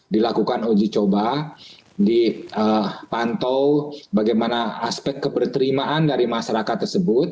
dilakukan uji coba dipantau bagaimana aspek keberterimaan dari masyarakat tersebut